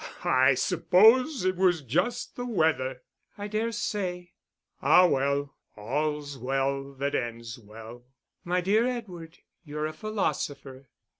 "I suppose it was just the weather." "I dare say." "Ah, well all's well that ends well." "My dear Edward, you're a philosopher."